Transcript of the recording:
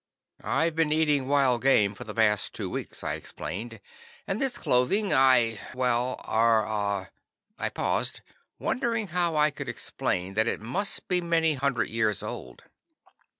"I've been eating wild game for the past two weeks," I explained, "and this clothing I er ah ." I paused, wondering how I could explain that it must be many hundred years old.